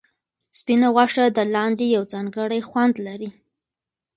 سپینه غوښه د لاندي یو ځانګړی خوند لري.